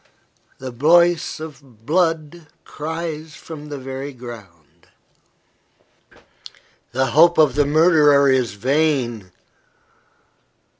The voice of blood cries from the very ground. The hope of the murderer is vain.